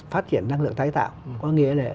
phát triển năng lượng thái tạo có nghĩa là